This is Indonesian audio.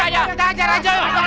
ya udah kita aja